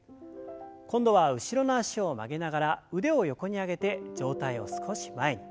今度は後ろの脚を曲げながら腕を横に上げて上体を少し前に。